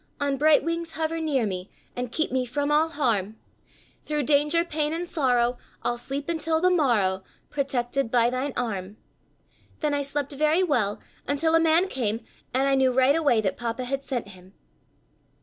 On bright wings hover near me, And keep me from all harm! Thru danger, pain and sorrow I'll sleep until the morrow, Protected by thine arm. "Then I slept very well, until a man came, and I knew right away that Papa had sent him."